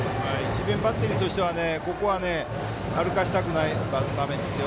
智弁バッテリーとしてはここは歩かせたくない場面ですよ。